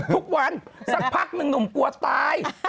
ทุกวันสักพักหนึ่งหนุ่มกลัวตาย